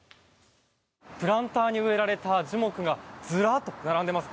プランターに植えられた樹木がずらっと並んでいます。